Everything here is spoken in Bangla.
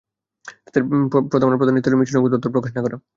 তাদের প্রথম আর প্রধান নীতি হলো মিশনের কোনো তথ্য প্রকাশ না করা।